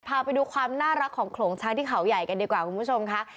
พาไปดูความน่ารักของโขลงช้างที่เขาใหญ่กันดีกว่าคุณผู้ชมค่ะ